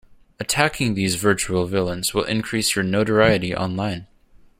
Attacking these virtual villains will increase your notoriety online.